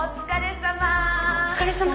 お疲れさま。